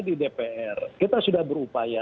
di dpr kita sudah berupaya